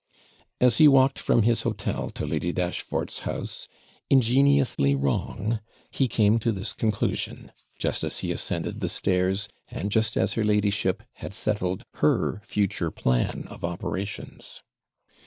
As he walked from his hotel to Lady Dashfort's house, ingeniously wrong, he came to this conclusion, just as he ascended the stairs, and just as her ladyship had settled her future plan of operations.